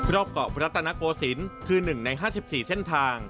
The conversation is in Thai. รอบเกาะรัตนโกศิลป์คือ๑ใน๕๔เส้นทาง